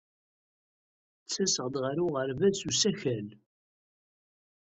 Ttaseɣ-d ɣer uɣerbaz s usakal.